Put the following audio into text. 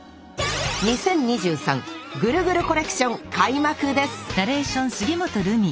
２０２３ぐるぐるコレクション開幕です！